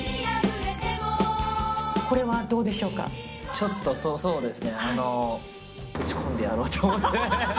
ちょっとそうですね、ぶち込んでやろうと思って。